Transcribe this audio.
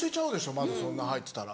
まずそんな入ってたら。